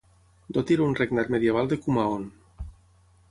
Doti era un regnat medieval de Kumaon.